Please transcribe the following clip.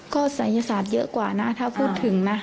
ก็ศัยศาสตร์เยอะกว่านะถ้าพูดถึงนะ